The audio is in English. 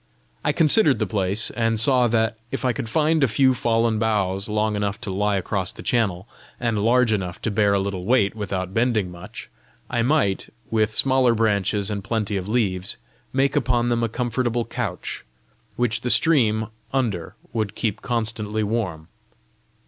I considered the place, and saw that, if I could find a few fallen boughs long enough to lie across the channel, and large enough to bear a little weight without bending much, I might, with smaller branches and plenty of leaves, make upon them a comfortable couch, which the stream under would keep constantly warm.